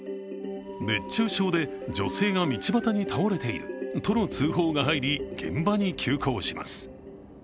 熱中症で女性が道端に倒れているとの通報が入り現場に急行します。